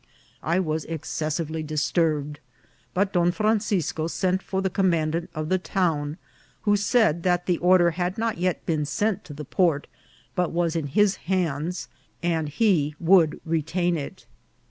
I was excessively disturbed ; but Don Francisco sent for the commandant of the town, who said that the order had not yet been sent to the port, but was in his hands, and he would retain it.